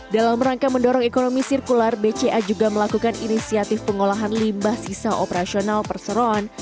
dalam rangka mendorong ekonomi sirkular bca juga melakukan inisiatif pengolahan limbah sisa operasional perseroan